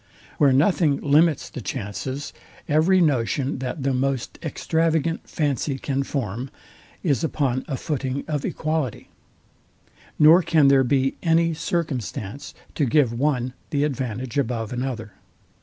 Where nothing limits the chances, every notion, that the most extravagant fancy can form, is upon a footing of equality; nor can there be any circumstance to give one the advantage above another.